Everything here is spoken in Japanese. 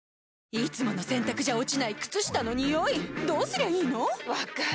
いつもの洗たくじゃ落ちない靴下のニオイどうすりゃいいの⁉分かる。